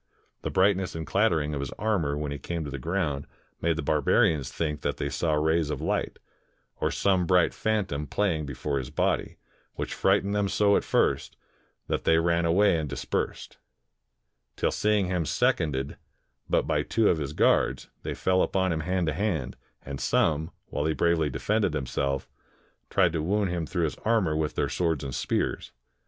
The brightness and clattering of his armor when he came to the ground made the barbarians think they saw rays of Hght, or some bright phantom plajing before his body, which frightened them so at first, that they ran away and dispersed; till seeing him seconded but by two of his guards, they fell upon him hand to hand, and some, while he bravely defended himself, tried to wound him through his armor ^nth their swords and spears.